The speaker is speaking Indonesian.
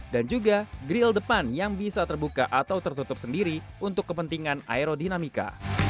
dan juga grill depan yang bisa terbuka atau tertutup sendiri untuk kepentingan aerodinamika